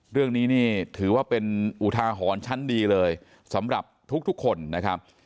เรื่องนี้นี่ถือว่าเป็นอุทาหรณ์ชั้นดีเลยสำหรับทุกคนนะครับ